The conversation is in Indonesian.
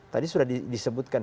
tadi sudah disebutkan